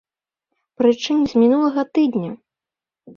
Прычым, з мінулага тыдня!